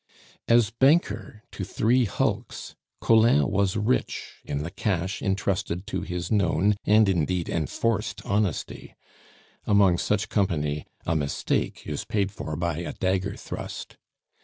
As banker to three hulks, Collin was rich in the cash intrusted to his known, and indeed enforced, honesty. Among such company a mistake is paid for by a dagger thrust.